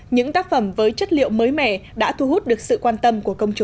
những tác phẩm với chất liệu mới mẻ đã thu hút được sự quan tâm